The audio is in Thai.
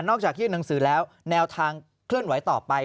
จากยื่นหนังสือแล้วแนวทางเคลื่อนไหวต่อไป